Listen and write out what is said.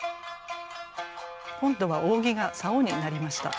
今度は扇が竿になりました。